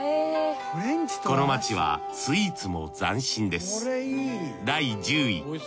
この街はスイーツも斬新です